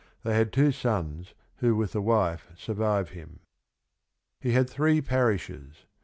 They had two sons who with the wife survive him. He had three parishes.